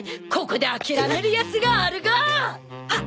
ここで諦めるヤツがあるがあっ！